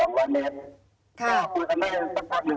ก็คุณแม่สักท่านหนึ่งครับประมาณพรุ่ง๔เสร็จมา